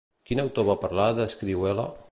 Quin autor va parlar d'Escrihuela?